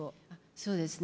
そうですね